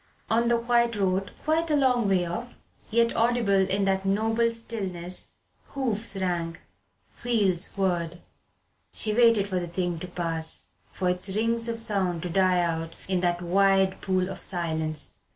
On the white road, quite a long way off, yet audible in that noble stillness, hoofs rang, wheels whirred. She waited for the thing to pass, for its rings of sound to die out in that wide pool of silence.